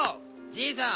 じいさん。